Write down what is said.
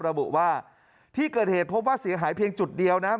ระบุว่าที่เกิดเหตุพบว่าเสียหายเพียงจุดเดียวนะครับ